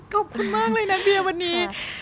ขอบคุณมากเลยนะเบียวันนี้